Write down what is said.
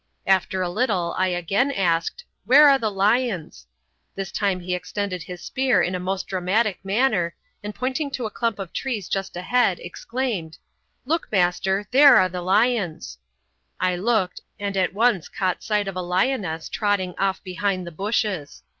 After a little I again asked, "Where are the lions?" This time he extended his spear in a most dramatic manner, and pointing to a clump of trees just ahead, exclaimed: "Look, Master; there are the lions." I looked, and at once caught sight of a lioness trotting off behind the bushes.